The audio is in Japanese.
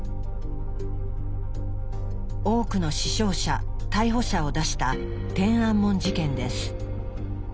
多くの死傷者逮捕者を出した「天安門事件」です。